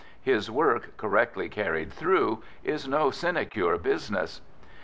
His work, correctly carried through, is no sinecure business.